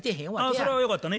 それはよかったね。